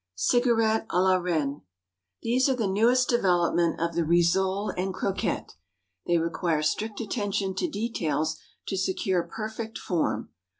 _ Cigarettes à la Reine. These are the newest development of the rissole and croquette. They require strict attention to details to secure perfect form.